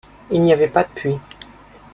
Il n'y avait pas de puits.